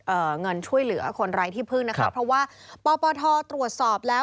เงินช่วยเหลือคนไร้ที่พึ่งนะคะเพราะว่าปปทตรวจสอบแล้ว